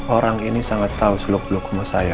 orang ini sangat tahu selok selok rumah saya